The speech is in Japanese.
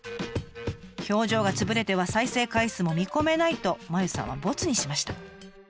表情が潰れては再生回数も見込めないとまゆさんはボツにしました。